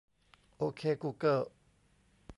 โอเคกูเกิล